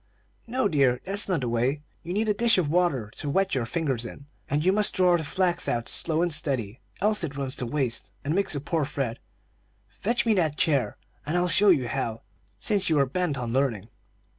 "No, dear, that's not the way; you need a dish of water to wet your fingers in, and you must draw the flax out slow and steady, else it runs to waste, and makes a poor thread. Fetch me that chair, and I'll show you how, since you are bent on learning."